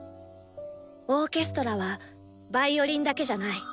「オーケストラはヴァイオリンだけじゃない。